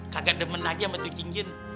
kagak demen aja sama tuh cincin